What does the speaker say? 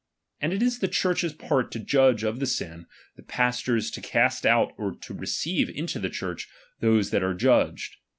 And it is the Church's part to judge of the sin, the pastor's to cast out or to receive into the Church those that are judged.